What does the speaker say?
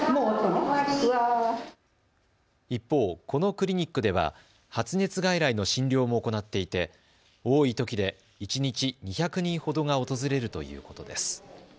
一方、このクリニックでは発熱外来の診療も行っていて多いときで一日２００人ほどが訪れるということです。